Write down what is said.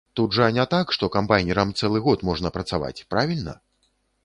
Тут жа не так, што камбайнерам цэлы год можна працаваць, правільна?